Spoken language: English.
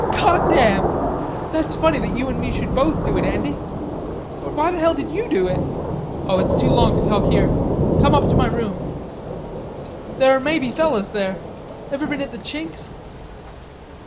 "God damn! That's funny that you an' me should both do it, Andy. But why the hell did you do it?" "Oh, it's too long to tell here. Come up to my room." "There may be fellers there. Ever been at the Chink's?"